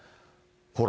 ほら。